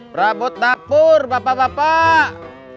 perabot dapur bapak bapak